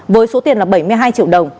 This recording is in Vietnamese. với số tiền là bảy mươi hai triệu đồng